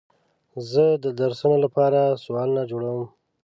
زه د درسونو لپاره سوالونه جوړوم.